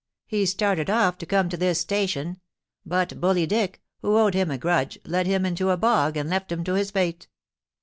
He started off to come to this station; but Bully Dick, who owed him a grudge, led him into a bog, and left him to his fate.